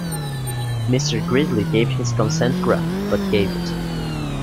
Mr. Gridley gave his consent gruff — but gave it.